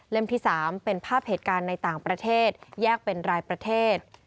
ที่๓เป็นภาพเหตุการณ์ในต่างประเทศแยกเป็นรายประเทศ